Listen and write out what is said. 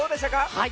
はい。